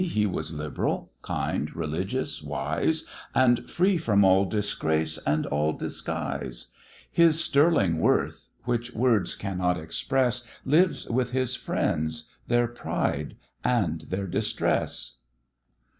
he was liberal, kind, religious, wise, And free from all disgrace and all disguise; His sterling worth, which words cannot express, Lives with his friends, their pride and their distress.